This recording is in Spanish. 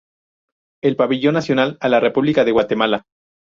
El pabellón nacional, a la República de Guatemala.